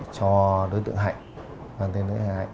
cho đối tượng hạnh